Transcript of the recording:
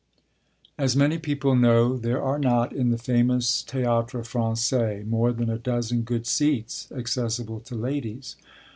XX As many people know, there are not, in the famous Théâtre Français, more than a dozen good seats accessible to ladies.